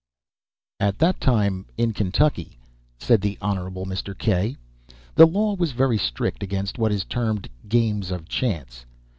] At that time, in Kentucky (said the Hon. Mr. K ); the law was very strict against what is termed "games of chance."